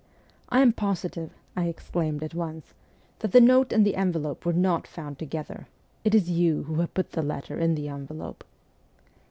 ' I am positive,' I exclaimed at once, ' that the note and the envelope were not found together ! It is you who have put the letter in the envelope.'